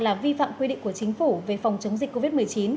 là vi phạm quy định của chính phủ về phòng chống dịch covid một mươi chín